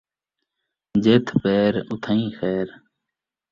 جتھ پیر اتھائیں خیر